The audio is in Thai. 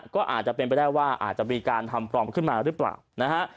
ก็อาจจะเป็นไปได้ว่าอาจจะมีการทำปลอมขึ้นมาหรือเปล่านะฮะ